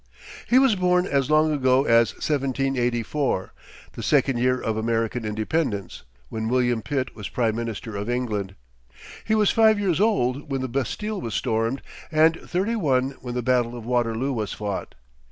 He was born as long ago as 1784, the second year of American independence, when William Pitt was prime minister of England. He was five years old when the Bastille was stormed, and thirty one when the battle of Waterloo was fought.